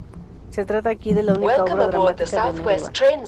Se trata aquí de la única obra dramática de Neruda.